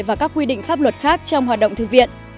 và các quy định pháp luật khác trong hoạt động thư viện